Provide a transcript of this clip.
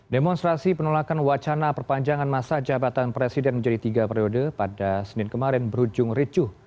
demonstrasi penolakan wacana perpanjangan masa jabatan presiden menjadi tiga periode pada senin kemarin berujung ricuh